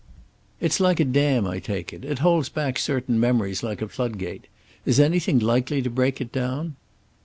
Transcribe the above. "It's like a dam, I take it. It holds back certain memories, like a floodgate. Is anything likely to break it down?"